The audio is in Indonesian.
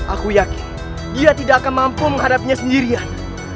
aku yakin dia tidak akan mampu menghadapinya sendirian